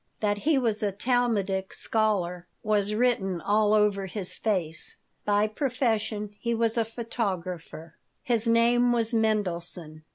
That he was a Talmudic scholar was written all over his face. By profession he was a photographer. His name was Mendelson.